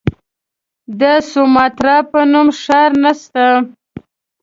د سوماټرا په نوم ښار نسته.